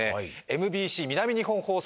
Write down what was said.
ＭＢＣ南日本放送